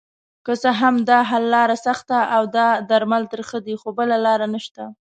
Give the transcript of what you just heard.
که څه هم داحل لاره سخته اودا درمل ترخه دي خو بله لاره نشته